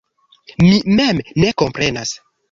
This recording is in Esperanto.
Mi mem ne komprenas.